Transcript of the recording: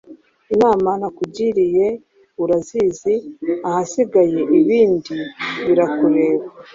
Inama nakugiriye urazizi! Ahasigaye ibindi birakureba!